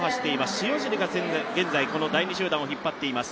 塩尻が第２集団を引っ張っています。